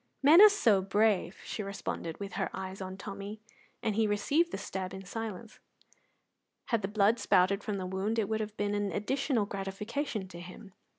"Men are so brave!" she responded, with her eyes on Tommy, and he received the stab in silence. Had the blood spouted from the wound, it would have been an additional gratification to him.